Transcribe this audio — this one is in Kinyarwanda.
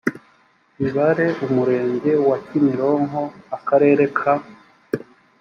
bibare umurenge wa kimironko akarere ka